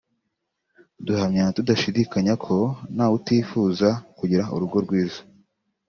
Duhamya tudashidikanya ko nta wutifuza kugira urugo rwiza